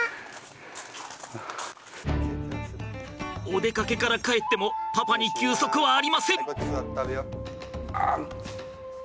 お出かけから帰ってもパパに休息はありません。